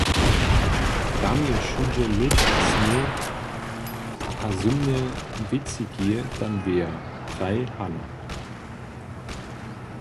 „Tam je wšudźe lód a sněh a zymne wětřiki tam wěja“, praji Hana.